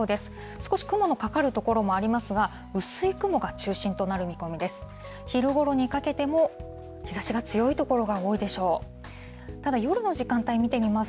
少し雲のかかる所もありますが、薄い雲が中心となる見込みです。